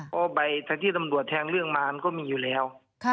เพราะใบที่ตำรวจแทงเรื่องมามันก็มีอยู่แล้ว